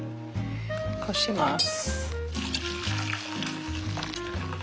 こします。